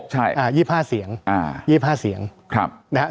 ใช่อ่ายี่สิบห้าเสียงอ่ายี่สิบห้าเสียงครับนะฮะ